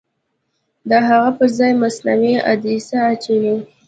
د هغه پرځای مصنوعي عدسیه اچوي.